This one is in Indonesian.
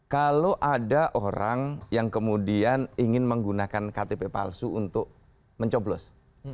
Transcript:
kalau ada orang yang kemudian ingin menggunakan ktp palsu untuk mencoblos